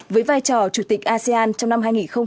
với vai trò chủ tịch asean trong năm hai nghìn hai mươi